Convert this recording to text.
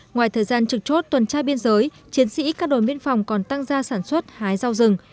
ngoài thời gian trực chốt tuần tra biên giới chiến sĩ các đồn biên phòng còn tăng gia sản xuất hái rau rừng